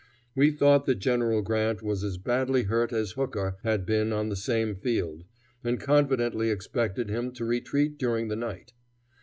We thought that General Grant was as badly hurt as Hooker had been on the same field, and confidently expected him to retreat during the night.